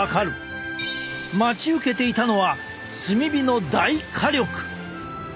待ち受けていたのは炭火の大火力！